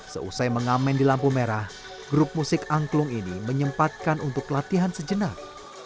seusai mengamen di lampu merah grup musik angklung ini menyempatkan untuk latihan sejenak